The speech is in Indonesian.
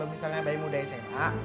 mbak im ini udah sma